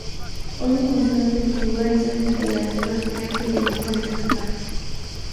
Hoy un museo atestigua de esa actividad próspera que llegó por todas partes.